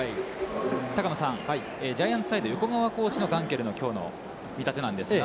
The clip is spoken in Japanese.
高野さんのジャイアンツサイド、横川コーチのガンケルのきょうの見立てなんですが。